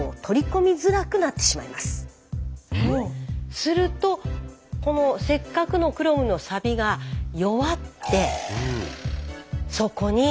するとこのせっかくのクロムのサビが弱ってそこに。